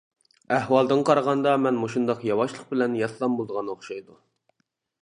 ئەھۋالدىن قارىغاندا مەن مۇشۇنداق ياۋاشلىق بىلەن ياتسام بولىدىغان ئوخشايدۇ.